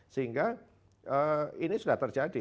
sehingga ini sudah terjadi